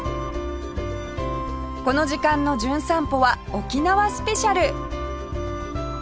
この時間の『じゅん散歩』は沖縄スペシャル